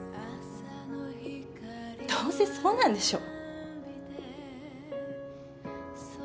どうせそうなんでしょ？